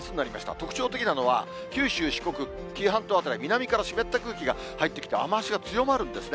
特徴的なのは九州、四国、紀伊半島辺り、南から湿った空気が入ってきて雨足が強まるんですね。